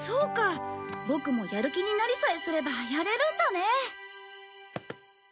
ボクもやる気になりさえすればやれるんだね。